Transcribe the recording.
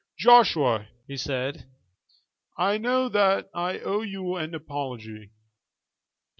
"Joshua," he said, "I know that I owe you an apology."